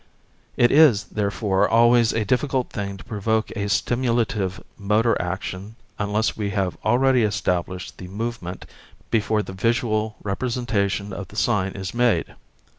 It is, therefore, always a difficult thing to provoke a stimulative motor action unless we have already established the movement before the visual representation of the sign is made.